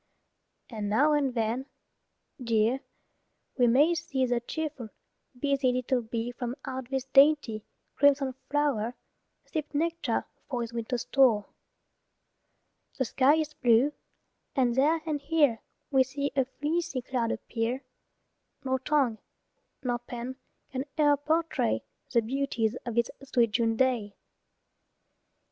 And now and then, dear, we may see The cheerful, busy little bee From out this dainty, crimson flow'r, Sip nectar for his winter store. The sky is blue, and there and here We see a fleecy cloud appear; Nor tongue nor pen can e'er portray The beauties of this sweet June day.